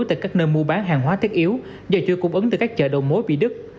tại các nơi mua bán hàng hóa thiết yếu do chuỗi cung ứng từ các chợ đầu mối bị đứt